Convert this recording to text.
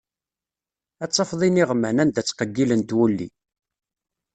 Ad tafeḍ iniɣman, anda ttqeggilent wulli.